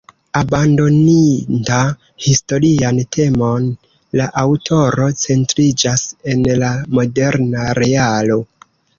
Abandoninta historian temon, la aŭtoro centriĝas en la moderna realo.